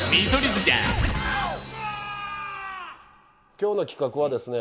今日の企画はですね